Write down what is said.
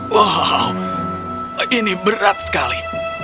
wow ini berat sekali